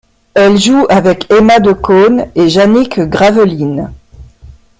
Elle joue avec Emma de Caunes et Jeannick Gravelines.